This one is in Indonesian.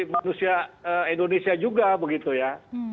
manusia indonesia juga begitu ya